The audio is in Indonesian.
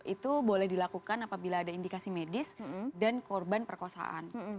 itu boleh dilakukan apabila ada indikasi medis dan korban perkosaan